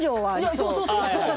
そうそうそうそう。